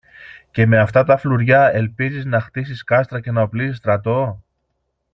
Και με αυτά τα φλουριά ελπίζεις να χτίσεις κάστρα και να οπλίσεις στρατό;